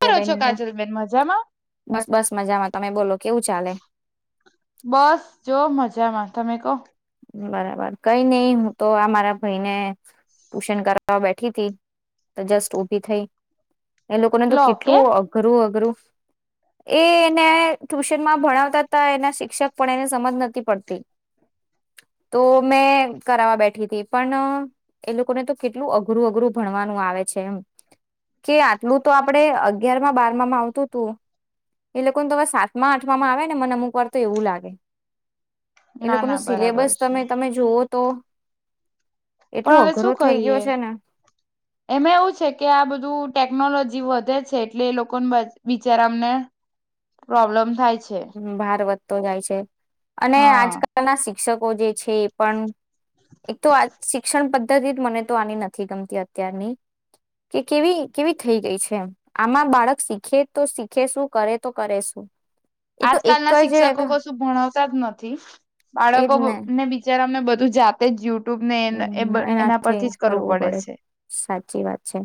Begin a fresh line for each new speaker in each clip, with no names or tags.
કરો
બેન
છો કાજલ બેેન મજામાં
બસ બસ મજામાં તમે બોલો કેવું ચાલે
બસ જો મજામાં. તમે કોહ.
બરાબર કઈ નઈ હું તો આ મારા ભાઈને ટુશન કરાવ બેઠી હતીથી તો જસ્ટ ઉભી થઈ. એ લોકોને તો
લો
કેટલું
કેમ
અઘરું અઘરું એ એને ટ્યુશનમાં ભણાવતા હતા એના શિક્ષક પણ એને સમજ નથી પડતી. તો મેં કરવા બેઠી હતી પણ એ લોકોને તો કેટલું અઘરું અઘરું ભણવાનું આવે છે એમ કે આટલું તો આપડે અગિયાર માં બારમામાં આવતું હતું એ લોકોને હવે સાતમા આઠમામાં આવે ને મને અમુક વાર તો એવું લાગે
ના ના બરાબર.
બસ
છે
તમે તમે જોવ. તો એટલો
પણ હવે
અઘરો
શું
થઈ ગયો
કરીએ
છે ને
એમાં એવું છે કે આ બધું ટેકનોલોજી વ ધે છે એટલે એ લોકોને બ બિચારાામને પ્રોબ્લેમ થાય છે.
ભારવત તો જાય છે. અને
હા
આજકાલ ના શિ ક્ષકો જે છે એ પણ એક તો શિક્ષણ પદ્ધતિ મને તો આની નથી ગમતી અત્યારની કે કેવી કેવી થઈ ગઈ છે આમાં બાળક શીખે તો શીખે શું કરે તો કરે શું. એ તો
આજકાલ ના
એક જ એ
શિક્ષકો કશું ભણાવતા જ નથી
જ ને
બાળકોને બિચારા બધું જાતે જ યુ
એનાથી કરવું પડે સાચી વાત છે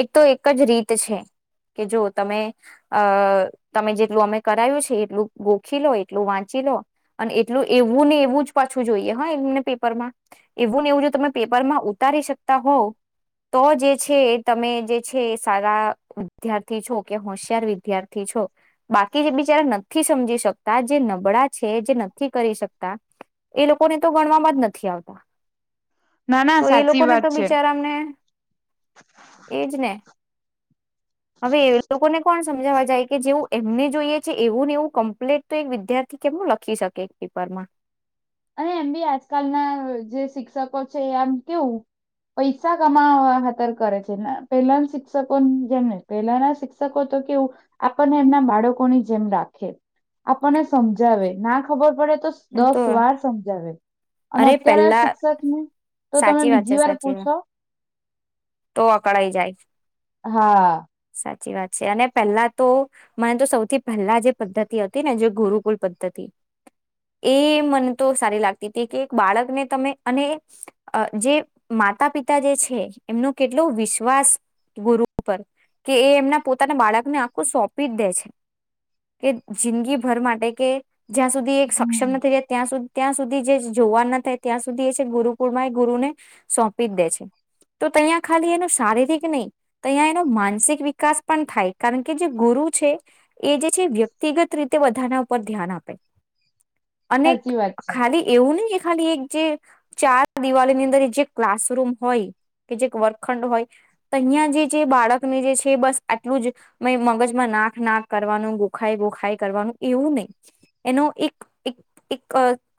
એક તો એક જ રી ત છે કે જો તમે અ તમે જેટલું અમે કરાયું છે એટલું ગોખી લો એટલું વાંચી લો અને એટલું એવું ને એવું જ પાછું જોઈએ હા એમને પેપરમાં એવું ને એવું જો તમે પેપરમાં ઉતારી શકતા હોવ તો જે છે તમે જે છે સારા વિદ્યાર્થી છો કે હોશિયાર વિદ્યાર્થી છો બાકી જે બિચારા નથી સમજી શકતા જે નબળા છે જે નથી કરી શકતા એ લોકોને તો ગણવામાં જ નથી આવતા.
ના ના
તો એ
સાચી
લોકોને
વાત
તો
છે
બિચારામને એજ ને. હવે એ લોકો ને કોણ સમજવા જાય કે જેવું એમને જોઈએ છે એવું ને એવું કમ્પ્લેટ તો એક વિદ્યાર્થી કેમનું લખી શકે એક પેપરમાં.
અને એમ બી આજકાલ ના જે શિક્ષકો છે આમ કેવું પૈસા કમાવા હાતર કરે છે પહેલા ના શિક્ષકો જેમને પહેલાના શિક્ષકો તો કેવું આપણને એમના બાળકોની જેમ રાખે આપણને સમજાવે ના ખબર પડે તો
એમ તો
દસ વાર હવે
અરે પેલા
તો તમે
સાચી વાત
બીજી
છે
વાર
સાચી વા
પૂછો
તો અકળાઈ જાય.
હા.
સાચી વાત છે અને પહેલા તો મને તો સૌથી પહેલા જે પદ્ધતિ હતી ને જે ગુરુકુલ પદ્ધતિ એ મને તો સારી લાગતી એક એક બાળકને તમે અને અ જે માતા પિતા જે છે એમનો કેટલો વિશ્વાસ ગુરુ ઉપર કે એ એમના પોતાના બાળક ને આખું સોંપી જ દે છે. કે જિંદગીભર માટે કે જ્યાં સુધી એક સક્ષમ નથી થઈ જાય ત્યાં સુધી ત્યાં સુધી જે જોવા ના થાય ત્યાં સુધી એ છે ગુરુકુળમાં એ ગુરુને સોંપી જ દે છે તો ત્યાં ખાલી એનો શારીરિક નહીં ત્યાં એનો માનસિક વિકાસ પણ થાય કારણ કે જે ગુરુ છે એ જે છે વ્યક્તિગત રીતે બધાના ઉપર ધ્યાન આપે અને
સાચી વાત છે.
ખાલી એવું નહી કે ખાલી એક જે ચાર દિવાળી ની અંદર જે ક્લાસરૂમ હોય કે જે વર્કખંડ હોય ત્યાં જે બાળકને જે છે બસ આટલું જ મગજમાં નાખ નાક કરવાનું ગોખાય ગોખાય કરવાનું એવું નહી એનો એક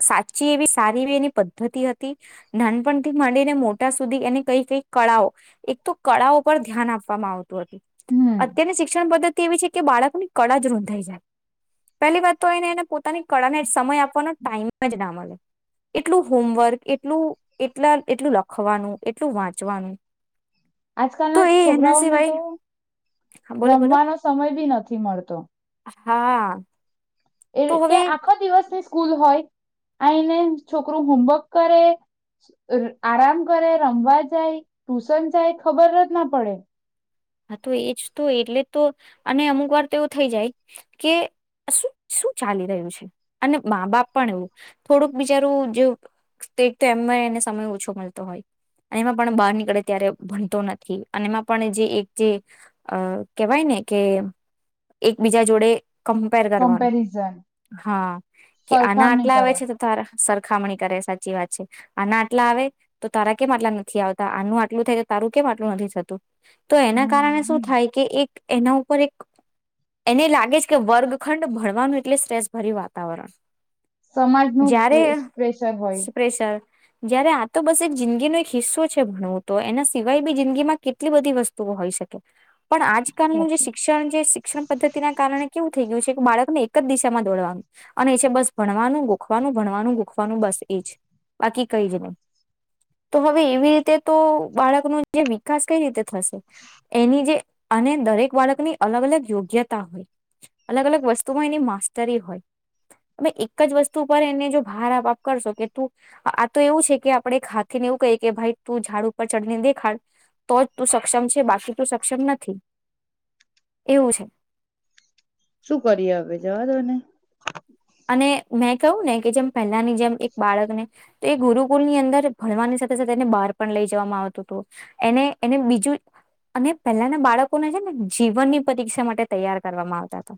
સાચી એવી સારી એવી એની પદ્ધતિ હતી નાનપણથી માંડીને મોટા સુધી એની કઈ કઈ કળાઓ એક તો કળાઓ પર ધ્યાન આપવામાં આવતું હતું
હમ
અત્યારની શિક્ષણ પદ્ધતિ એવી છે કે બાળકોની કળા જ રૂંધાઈ જાય પહેલી વાત તો એને એને પોતાની કળાને સમય આપવાનો ટાઈમ જ ના મળે એટલું હોમવર્ક એટલું એટલા એટલું લખવાનું એટલું વાંચવાનું તો
આજકાલના
એ એના
છોકરાઓને તો
સિવાય બોલો બોલો
રમવાનો સમય બી નથી મળતો.
હા.
એ
તો
કે
હવે
આખો દિવસની સ્કૂલ હોય આઈ ને છોકરું હોમવર્ક કરે ર આરામ કરે રમવા જાય ટુશન જાય ખબર જ ના પડે.
હા તો એજ તો એટલે તો અને અમુક વાર તો એવું થઈ જાય કે શું શું ચાલી રહ્યું છે અને મા બાપ પણ થોડુંક બિચારું [unintelligible] એમ એને સમય ઓછો મળતો હોય અને એમાં પણ બહાર નીકળે ત્યારે ભણતો નથી અને એમાં પણ જે એક જે અ કેવાય ને કે એકબીજા જોડે કમ્પેર કરવાનું
કમ્પેરિઝન
હા કે આના
સરખામણી
આટલા આવે
કરે
છે તો તારા સરખામણી કરે સાચી વાત છે આના આટલા આવે તો તારા કેમ આટલા નથી આવતા આનું આટલું થાય તારું કેમ આટલું નથી થતું તો એના
હમ
શું થાય કે એક એના ઉપર એક એને લાગે છે કે વર્ગખંડ ભણવાનું એટલે સ્ટ્રેસ ભર્યું વાતાવરણ
સમાજનું
જયારે
પ્રેશર હોય
પ્રેશર જયારે આ તો બસ એક જિંદગીનો એક હિસ્સો છે ભણવું તો એના સિવાય બી જિંદગી માં કેટલી બધી વસ્તુઓ હોય શકે તો પણ આજકાલનું જે
સાચી
શિક્ષણ જે શિક્ષણ પદ્ધતિના કારણે કેવું થઈ ગયું છે કે બાળકને એક જ દિશામાં દોડવાનું અને એ છે બસ ભણવાનું ગોખવાનું ભણવાનું ગોખવાનું બસ એ જ બાકી કઈ જ નહી તો હવે એવી રીતે તો બાળક ન જે વિકાસ કઈ રીતે થશે એની જે અને દરેક બાળકની અલગ અલગ યોગ્યતા હોય અલગ અલગ વસ્તુમાં એની માસ્ટતરી હોય અમે એક જ વસ્તુ પર એને જો ભાર આપ આપ કરશો કે તું આ તો એવું છે કે આપણે હાથીને એવું કહીએ કે ભાઈ તું ઝાડ ઉપર ચઢને દેખાડ તો જ તું સક્ષમ છે બાકી સક્ષમ નથી એવું છે
શું કરીએ હવે જવા દો ને
અને મેં કવું ને કે જેમ પહેલાની જેમ એક બાળકને તો એ ગુરુકુલની અંદર ભણવાની સાથે સાથે એને બહાર પણ લઈ જવામાં આવતું હતું એને એને બીજું અને પહેલાના બાળકોને છે ને જીવનની પરીક્ષા માટે તૈયાર કરવામાં આવતા હતા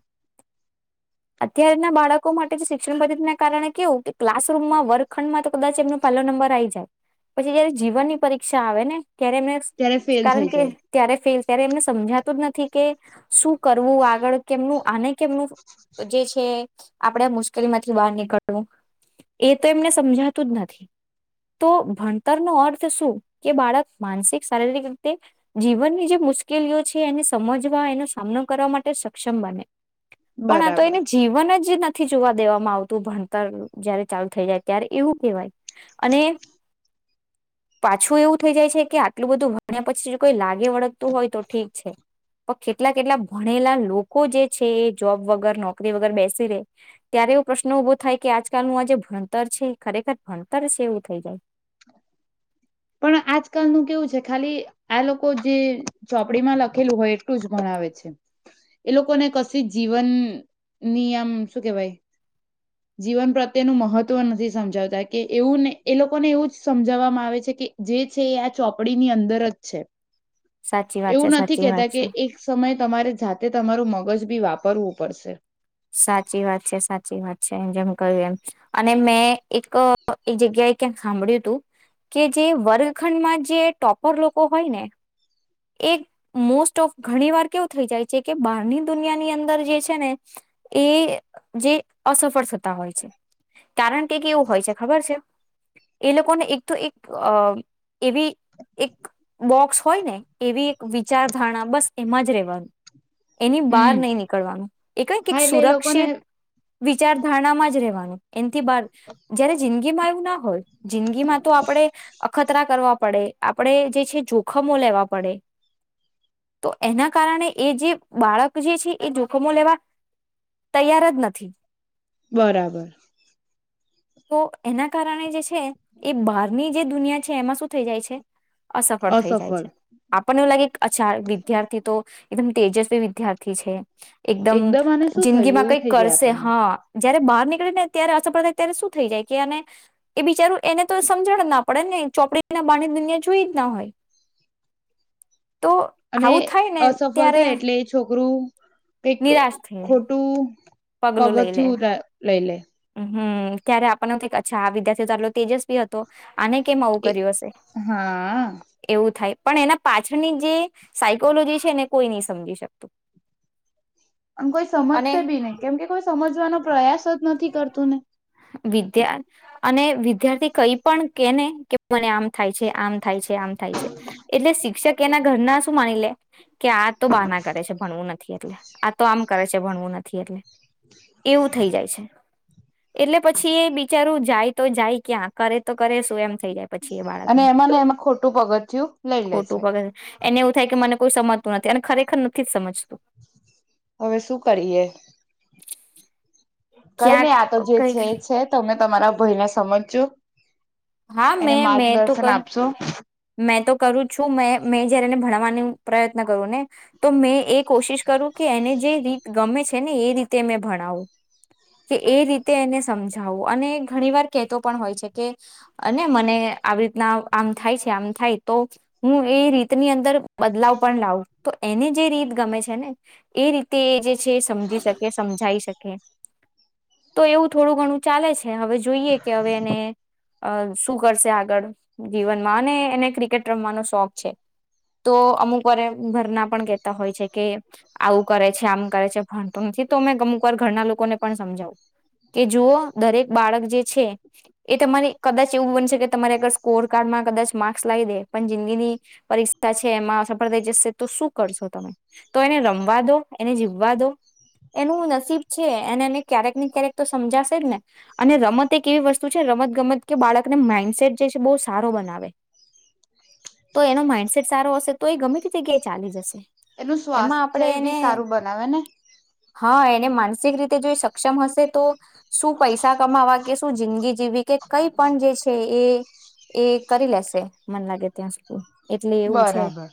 અત્યારના બાળકો માટે શિક્ષણ પદ્ધતિ ના કારણે કેવું કે ક્લાસરૂૂમમાં વર્ગખંડમાં તો કદાચ એમનો પહેલો નંબર આવી જાય પછી જયારે જીવન ની પરીક્ષા આવે ને ત્યારે એમને કારણ કે ત્યારે ફે ત્યારે એમને સમજાતું જ નથી કે શું કરવું આગળ કેમનું આને કેમનું જે છે આપણે મુશ્કેલીમાંથી બહાર નીકળવું એ તો એમને સમજાતું જ નથી તો ભણતરનોો અર્થ શું કે બાળક માનસિક શારીરિક રીતે જીવનની જે મુશ્કેલીઓ છે એને સમજવા એનો સામનો કરવા માટે સક્ષમ બને પણ આ તો એને જીવન જ નથી થી જોવા દેવામાં આવતું ભણતર જયારે ચાલુ થઈ જાય ત્યારે એવું કહેવાય અને પાછું એવું થઈ જાય છે કે આટલું બધું ભણ્યા પછી કોઈ લાગે આગે વળગતું હોય તો ઠીક છે પણ કેટલા કેટલા ભણેલા લોકો જે છે એ જોબ વગર નોકરી વગર બેસી રે ત્યારે એવો પ્રશ્ન ઉઊભો થાય કે આજકાલનું આજે ભણતર છે ખરેખર ભણતર છે એવું થઈ જાય
પણ આજકાલનું કેવું છે ખાલી આ લોકો જે ચોપડીમાં લખેલું હોય એટલું જ ગણાવે છે એ લોકોને કશી જીવન ની આમ શું કેવાય જીવન પ્રત્યેનું મહત્વ નથી સમજાવતા કે એવુંને એ લોકોને એવું સમજાવવામાં આવે છે કે જે છે એ આ ચોપડી ની અંદર જ છે
સાચી વાત
એવું
છે
નથી
સાચી વાત
કેહેતા કે
છે
એક સમય તમારે જાતે તમારું મગજ બી વાપરવું પડશે
સાચી વાત છે સાચી વાત છે એમ જેમ કહ્યું એમ અને મેં એક એ જગ્યાએ ક્યાંક સાંભળ્યું હતું કે જે વર્ગખંડમાં જે ટોપર લોકો હોય ને એક મોસ્ટ ઓફ ઘણી વાર કેવું થઈ જાય છે કે બહારની દુનિયાની અંદર જે છે ને એ જે અસફળ થતા હોય છે કારણ કે કે એવું હોય છે ખબર છે એ લોકોને એક તો એક એવી એક બોક્સ હોય ને એવી વિચારધારણા બસ એમાં જ રેવાનું એની બહાર
હમ
નહી નીકળવાનું એ કઈ
હા
ક
એટલે એ લોકોને
સુરક્ષિત વિચારધારણામાં જ રહેવાનું એથી બાર જયારે જિંદગી માં એવું ના હોય જિંદગીમાં તો આપડે અખતરા કરવા પડે આપડણે જે છે જોખમો લેવાડ પડ તો એના કારણે એ જે બાળક જે છે એ જોખમો લેવા તૈયાર જ નથી
બરાબર
તો એના કારણે જે છે એ બહારની જે દુનિયા છે એમાં શું થઈ જાય છે અસફળ થઈ જાય છે આપને એવું લાગે અછા વિદ્યાર્થી તો એદમ તેજસ્વી વિદ્યાર્થી છે એકદમ
આને શું થયું
જિંદગીમાં
એવું
કઈક
થઈ જાય
કરશે
આપણને
હા જયારે બહારનીકે ને ત્યારે અસપ્રદાય અ્યારે શું થઈ જાય કે અને એ બિચારું એને તો સમજણ જ ના પડે ને ચોપડીના બાણી દુનિયા જોઈ જ ના હોય તો
અને
આવું થાય ને
અસફળ
ત્યારે
થાય એટલે એ છોકરું કઈક
નિરાશ થઈ જાય
ખોટું
પગલું લઈ લે
પગથયું લઈ લલે
હમ ત્યારે આપણને ક અચ્છા આ વિદ્યાર્થીઓ તો આટલો તેજસવીી હતો આને કેમ આવું
એ
કર્યું હશે
હા
એવું થાય પણ એના પાછળની જે સાયકોલોજી છે એને કોઈ નહી સમજી શકતું
અને કોઈ
અને
સમજશે બી નહી કેમ કે કોઈ સમજ નો પ્રયાસ નથી કરતું ને
વિદ્યા અને વિદ્યાર્થી કઈ પણ કેને કે મને આમ થાય છે આમ થાય છે આમ થાય છે એટલે શિક્ષક એના ઘર ના શું માની લે હા કે આ તો બાહના કરે છે ભણવું નથી એટલે આ તો આમ કરે છે ભણવું નથી એટલે એવું થઈ જાય છે એટલે પછી એ બિચારું જાય તો જાય ક્યાં કરે તો કરે શું એમ થઈ જાય પછી એ
અને
બાળકને
એમાં લ એમાં ખોટું પગથયું લઈ લે
ખોટું
છે
પગર એને એવું થાય કે મને કોઈ સમજતું નથી અને ખરેખર નથી જ સમજ
હવે શું કરીએ કઈ
ક્યાંક
નહી આતો જે છે
કઈક
એ છે તોમે તમારા ભયને સમજજો
હા
એને
મેં મે તો
માર્ગદર્શન
કર
આપશો
મેં તો કરું જ છું મે મેં જયારે એને ભણવાનો પ્રયત્ન કરું ને તો મેં એ કોશિશ કરું કે એને જે રીત ગમે છે ને એ રીતે મે ભણાવું કે એ રીતે એને સમજાવું અને ઘણી વાર કહેતો પણ હોય છે કેને મને આવી રીતના આમ થાય છે મ થાય તો હું એ રીતની અંદર બદલાવ પણ લાવું તો એને જે રીત ગમે છે ને એ રીતે એ જે છે સમજી શકે સમજાઈ શકે તો એવું થોડું ઘણું ચાલે છે હવે જોઈએ કે હવે એને અ શું કરશે આગળ જીવન એને ક્રિકેટ રમવાનો શોખ છે તો અમુક વા ભરના પણ કેતા હોય છે કે આવું કરે છે આમ કરે છે ભણતો નથી તો અમે અમુક વાર ઘરના લોકોને પણ સમજાવું કે જુઓ દરેક બાળક જે છે એ તમારે કદાચ એવું બનીશે કે તમારે આગર સ્કોર કાર્ડમાં કદાચ માર્ક્સ લાવી દે પણ જિંદગીની પરીક્ષા છે એમાં સફળ થઈ જશે તો શું કરશો તમે તો એને રમવા દો એને જીવવા દો એનું નસીબ છે અને એને ક્યારેક ને ક્યારેક તો સમજાશે જ ને અને રમત એક એવી વસ્તુ છે રમત ગમત કે બાળકને માઇન્ડસેટ જે છે બહુ સારો બનાવે તો એનો માઇન્ડસેટ સારો હશે તો એ ગમે તે જગ્યાએ ચાલી જશે
એનું
એમાં આપણે
સ્વાસ્થ્ય
એને
બી સારું બનાવે ને
હા એને માનસિક રીતે જોઈ સક્ષમ હશે તો શું પૈસા કમાવા કે શું જિંદગી જીવી કે કઈ પણ જે છે એ એ કરી લેશે મન લાગે ત્યાં સુધી. એટલે એવું છે.
બરાબર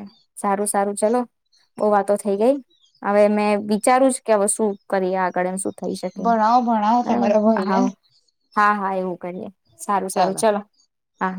એટ સારું સારું ચલો બઉુ વાતો થઈ ગઈ હવે મેં વિચારું કે હવે શું કરીએ આગળ એમ શું? થઈ શકે
ભણાવો ભણાવો
બરાબર
તમારા ભય ને
હા હા હા એવું કરીએ. સારું સારું ચાલ. હા.